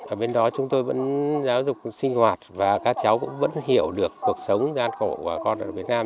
ở bên đó chúng tôi vẫn giáo dục sinh hoạt và các cháu cũng vẫn hiểu được cuộc sống gian khổ của con ở việt nam